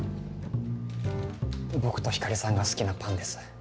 僕と光莉さんが好きなパンです。